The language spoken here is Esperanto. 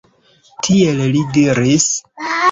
Tiel li diris.